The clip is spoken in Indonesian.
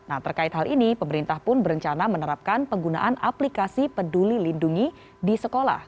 nah terkait hal ini pemerintah pun berencana menerapkan penggunaan aplikasi peduli lindungi di sekolah